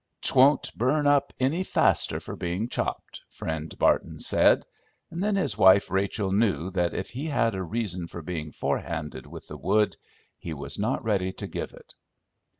"'T won't burn up any faster for being chopped," Friend Barton said; and then his wife Rachel knew that if he had a reason for being "forehanded" with the wood, he was not ready to give it.